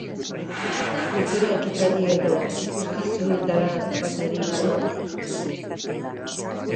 Kultura ekitaldi edo ikuskizunetara joaterik dago?